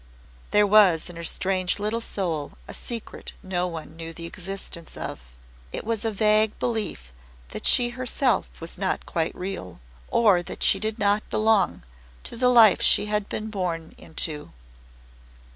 There was in her strange little soul a secret no one knew the existence of. It was a vague belief that she herself was not quite real or that she did not belong to the life she had been born into.